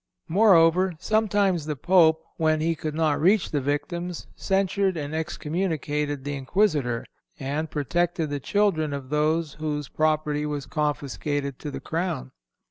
Moreover, sometimes the Pope, when he could not reach the victims, censured and excommunicated the Inquisitor, and protected the children of those whose property was confiscated to the crown.